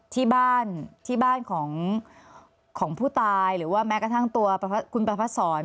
ที่บ้านที่บ้านของผู้ตายหรือว่าแม้กระทั่งตัวคุณประพัดศร